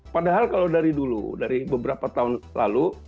padahal kalau dari dulu dari beberapa tahun lalu